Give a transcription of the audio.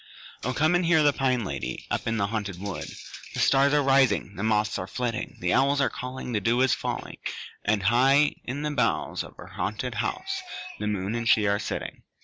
O come and hear the Pine Lady Up in the haunted wood! The stars are rising, the moths are flitting, The owls are calling, The dew is falling; And, high in the boughs Of her haunted house, The moon and she are sitting.